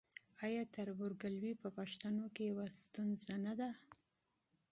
آیا تربورګلوي په پښتنو کې یوه ستونزه نه ده؟